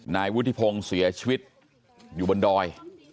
นายวุฒิพงศ์เสียชีวิตอยู่บนดอย